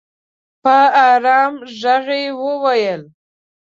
په ارام ږغ یې وویل